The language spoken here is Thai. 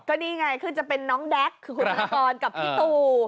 ก็นี่ไงคือจะเป็นน้องแด๊กคือคุณธนกรกับพี่ตู